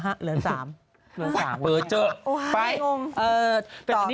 เหลือเจอไอ้โมม